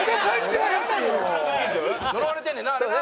呪われてんねんなあれな。